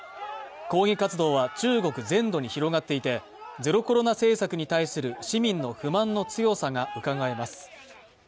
抗議活動は中国全土に広がっていてゼロコロナ政策に対する市民の不満の強さがうかがえます。